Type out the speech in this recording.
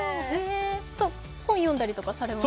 本を読んだりとかもされます？